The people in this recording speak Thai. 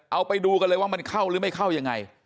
เอาไปดูกันเลยว่ามันเข้าหรือไม่เข้ายังไง